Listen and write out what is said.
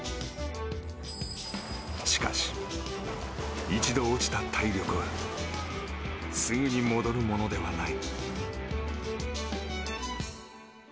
しかし、一度落ちた体力はすぐに戻るものではない。